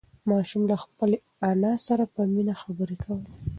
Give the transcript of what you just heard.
ماشوم له خپلې انا سره په مینه خبرې کولې